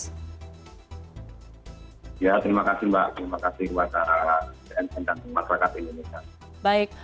ya terima kasih mbak terima kasih mbak